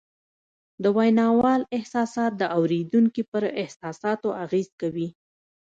د ویناوال احساسات د اورېدونکي پر احساساتو اغېز کوي